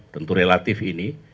tentu relatif ini